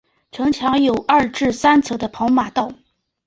城墙有二至三层的跑马道。